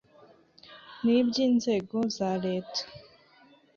n iby inzego za leta